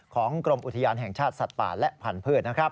ของกรมอุทยานแห่งชาติสัตว์ป่าและพันธุ์